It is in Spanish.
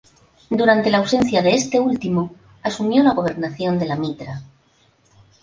Durante la ausencia de este último asumió la gobernación de la mitra.